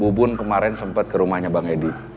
bubun kemarin sempat ke rumahnya bang edi